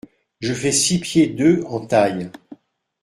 Je fais six pieds deux en taille.